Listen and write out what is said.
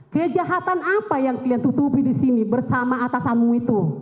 kejahatan apa yang kalian tutupi di sini bersama atasanmu itu